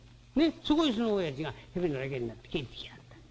そこへそのおやじがへべのれけになって帰ってきやがった」。